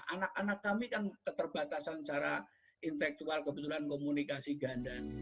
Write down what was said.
anak anak kami kan keterbatasan secara intelektual kebetulan komunikasi ganda